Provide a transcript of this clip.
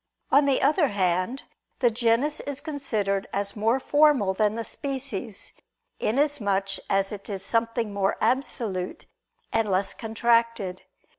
On the other hand, the genus is considered as more formal than the species, inasmuch as it is something more absolute and less contracted.